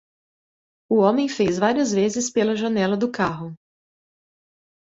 O homem fez várias vezes pela janela do carro.